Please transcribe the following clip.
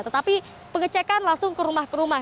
tetapi pengecekan langsung ke rumah ke rumah